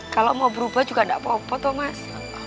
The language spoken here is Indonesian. kalau mau berubah juga gak apa apa tau mas